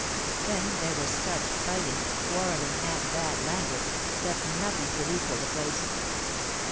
Then there was such fighting, quarrelling, and bad language, that nothing could equal the place!